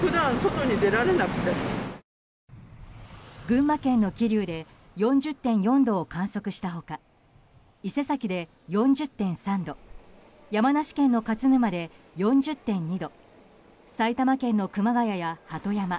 群馬県の桐生で４０．４度を観測した他伊勢崎で４０．３度山梨県の勝沼で４０．２度埼玉県の熊谷や鳩山